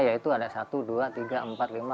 ya itu ada satu dua tiga empat lima